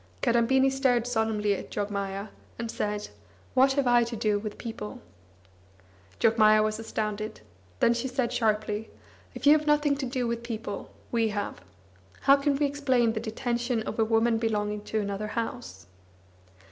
Kadambini stared solemnly at Jogmaya, and said: "What have I to do with people?" Jogmaya was astounded. Then she said sharply: "If you have nothing to do with people, we have. How can we explain the detention of a woman belonging to another house?"